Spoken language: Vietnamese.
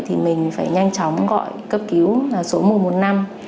thì mình phải nhanh chóng gọi cấp cứu là số mùa một năm